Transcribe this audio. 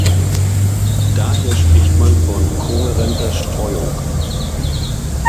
Daher spricht man von kohärenter Streuung.